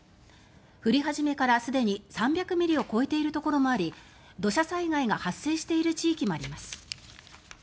降り始めからすでに３００ミリを超えているところもあり土砂災害が発生している地域もあります。